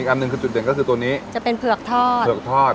อันหนึ่งคือจุดเด่นก็คือตัวนี้จะเป็นเผือกทอดเผือกทอด